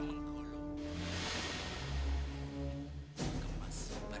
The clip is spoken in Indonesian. ini rumah saya